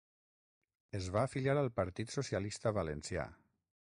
Es va afiliar al Partit Socialista Valencià.